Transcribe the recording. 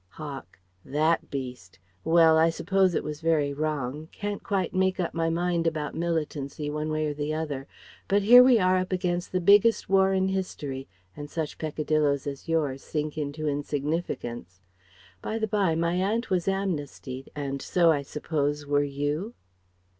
Hawk: "That beast. Well, I suppose it was very wrong. Can't quite make up my mind about militancy, one way or the other. But here we are up against the biggest war in history, and such peccadilloes as yours sink into insignificance. By the bye, my aunt was amnestied and so I suppose were you?"